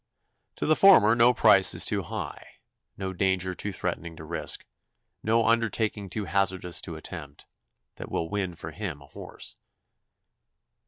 To the former no price is too high, no danger too threatening to risk, no undertaking too hazardous to attempt, that will win for him a horse.